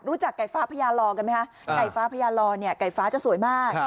ไก่ฟ้าพญาลอกันไหมคะไก่ฟ้าพญาลอเนี่ยไก่ฟ้าจะสวยมาก